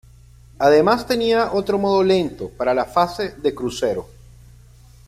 Además tenía otro modo lento para la fase de crucero.